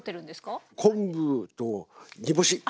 あ昆布と煮干し。